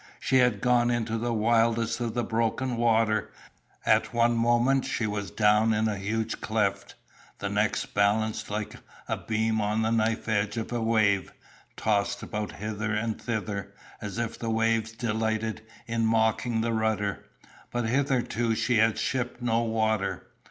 She had got into the wildest of the broken water; at one moment she was down in a huge cleft, the next balanced like a beam on the knife edge of a wave, tossed about hither and thither, as if the waves delighted in mocking the rudder; but hitherto she had shipped no water.